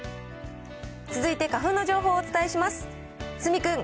続いて花粉の情報をお伝えします。